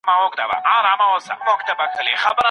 خپل کالي په المارۍ کي په ترتیب کښېږدئ.